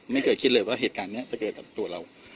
ไม่เคยคิดเลยว่าเหตุการณ์นี้จะเจอกับตัวเรา